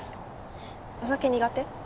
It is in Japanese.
お酒苦手？